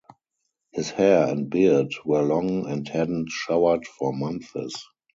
His hair and beard were long and hadn't showered for months.